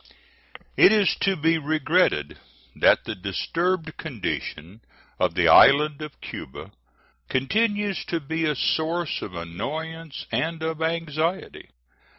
It is to be regretted that the disturbed condition of the island of Cuba continues to be a source of annoyance and of anxiety.